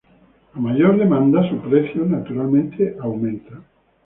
A mayor demanda, su precio naturalmente aumenta.